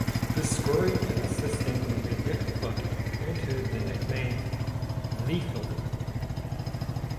Her scoring and assisting with her left foot earned her the nickname "Lethal".